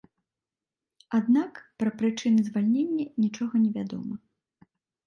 Аднак, пра прычыны звальнення нічога невядома.